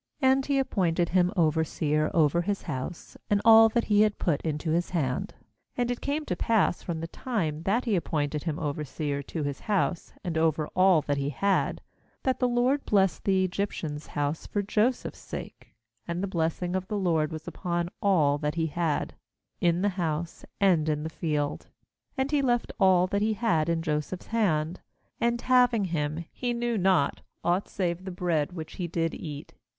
And he appointed him overseer over his house, and all that he had he put into his hand. 5And it came to pass from the time that he appointed him overseer in his house, and over all that he had, that the LORD blessed the Egyptian's house for Joseph's sake; and the bless ing of the LORD was upon all that he had, in the house and in the field. 6And he left all that he had in Joseph's hand; and, having him, he knew not aught save the bread which he did eat.